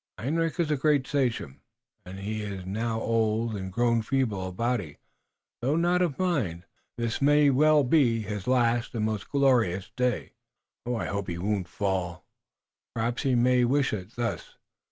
"Hendrik is a great sachem, and as he is now old and grown feeble of the body, though not of the mind, this may well be his last and most glorious day." "I hope he won't fall." "Perhaps he may wish it thus.